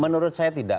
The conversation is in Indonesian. menurut saya tidak